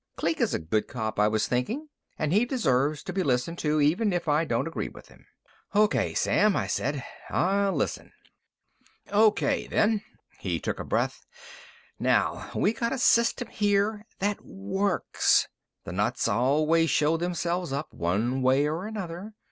Kleek is a good cop, I was thinking, and he deserves to be listened to, even if I don't agree with him. "O.K., Sam," I said, "I'll listen." "O.K., then." He took a breath. "Now, we got a system here that works. The nuts always show themselves up, one way or another.